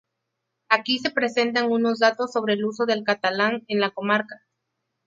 Aquí se presentan unos datos sobre el uso del catalán en la comarca.